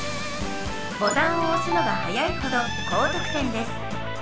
ボタンを押すのが早いほど高得点です。